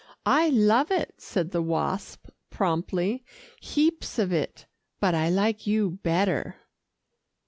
"I love it," said the Wasp promptly, "heaps of it, but I like you better."